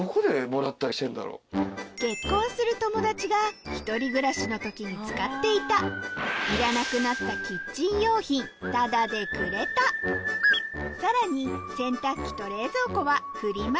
結婚する友達が１人暮らしの時に使っていたいらなくなったキッチン用品タダでくれたさらに洗濯機と冷蔵庫はフリマ